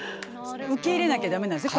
受け入れなきゃ駄目なんですね。